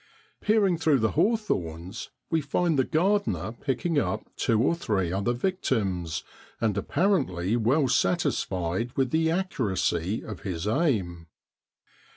Peering through the hawthorns we find the gar dener picking up two or three other victims, and apparently well satisfied with the accuracy of his aim.